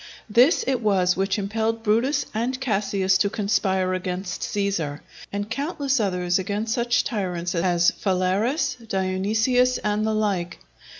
This it was which impelled Brutus and Cassius to conspire against Cæsar, and countless others against such tyrants as Phalaris, Dionysius, and the like.